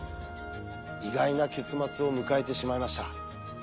意外な結末を迎えてしまいました。